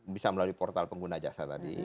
bisa melalui portal pengguna jasa tadi